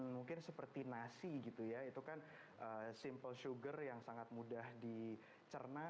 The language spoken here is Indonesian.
mungkin seperti nasi gitu ya itu kan simple sugar yang sangat mudah dicerna